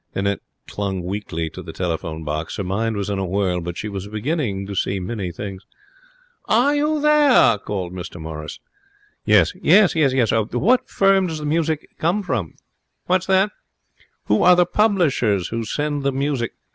Annette clung weakly to the telephone box. Her mind was in a whirl, but she was beginning to see many things. 'Are you there?' called Mr Morrison. 'Yes. What what firm does the music come from?' 'What's that?' 'Who are the publishers who send the music?'